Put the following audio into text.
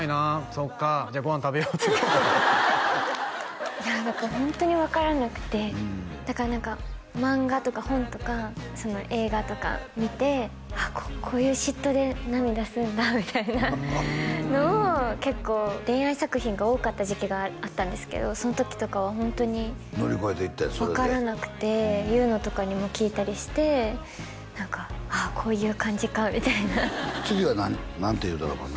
「そっかじゃあご飯食べよう」っていやだからホントに分からなくてだから何か漫画とか本とか映画とか見てこういう嫉妬で涙するんだみたいなのを結構恋愛作品が多かった時期があったんですけどその時とかはホントに分からなくて優乃とかにも聞いたりして何かああこういう感じかみたいな次は何何ていうドラマなの？